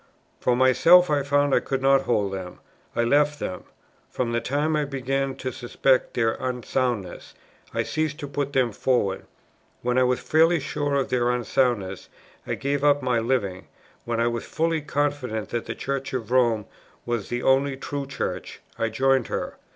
"For myself, I found I could not hold them. I left them. From the time I began to suspect their unsoundness, I ceased to put them forward. When I was fairly sure of their unsoundness, I gave up my Living. When I was fully confident that the Church of Rome was the only true Church, I joined her.